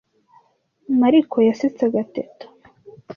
Mariko yasetsaga Teta .